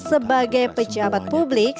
sebagai pejabat publik